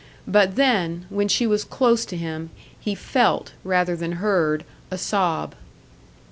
But then, when she was close to him, he felt, rather than heard, a sob.